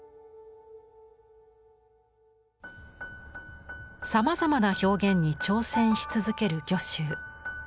さまざまな表現に挑戦し続ける御舟。